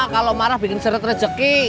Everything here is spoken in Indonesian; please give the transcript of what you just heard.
kalau marah bikin seret rezeki